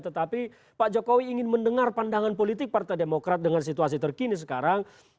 tetapi pak jokowi ingin mendengar pandangan politik partai demokrat dengan situasi terkini sekarang